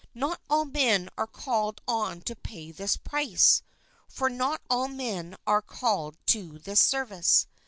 Not all men are called on to pay this price, for not all men are called to this service.